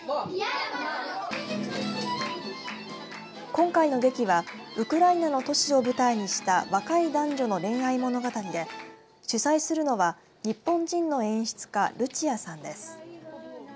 今回の劇はウクライナの都市を舞台にした若い男女の恋愛物語で主宰するのは日本人の演出家ルチアさんです。